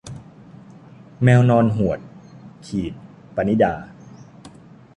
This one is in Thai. แมวนอนหวด - ปณิดา